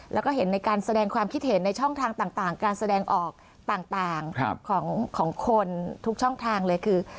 แล้วก็เห็นในการแสดงความคิดเห็นในช่องทางต่างการแสดงออกต่างของคนทุกช่องทางเลยคือ